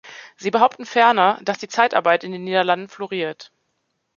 Sie behaupten ferner, dass die Zeitarbeit in den Niederlanden floriert.